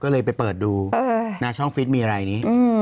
หน้าช่องฟิศมีอะไรอย่างนี้